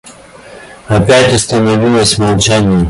Опять установилось молчание.